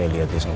masih ada juga